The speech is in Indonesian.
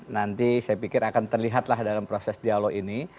nanti saya pikir akan terlihatlah dalam proses dialog ini